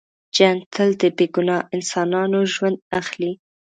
جنګ تل د بې ګناه انسانانو ژوند اخلي.